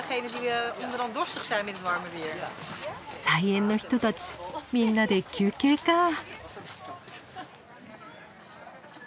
菜園の人たちみんなで休憩か。